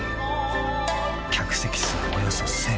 ［客席数およそ１，０００］